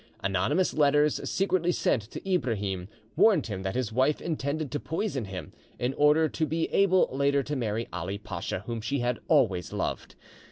Anonymous letters, secretly sent to Ibrahim, warned him that his wife intended to poison him, in order to be able later to marry Ali Pacha, whom she had always loved.